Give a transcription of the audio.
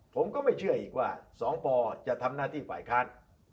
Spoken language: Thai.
ผมก็ไม่เชื่ออีกว่า๒ปจะทำหน้าที่ฝ่ายค้าน